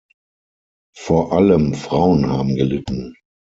Vor allem Frauen haben gelitten.